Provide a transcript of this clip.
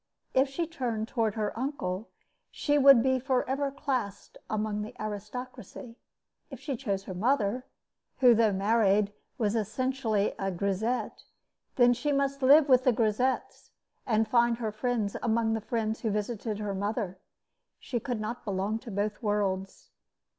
If she turned toward her uncle, she would be forever classed among the aristocracy. If she chose her mother, who, though married, was essentially a grisette, then she must live with grisettes, and find her friends among the friends who visited her mother. She could not belong to both worlds.